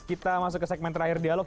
kita masuk ke segmen terakhir dialog